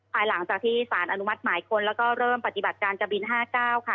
ภายหลังจากที่สารอนุมัติหมายค้นแล้วก็เริ่มปฏิบัติการจะบิน๕๙ค่ะ